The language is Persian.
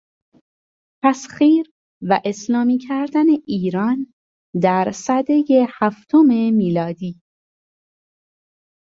تسخیر و اسلامی کردن ایران در سدهی هفتم میلادی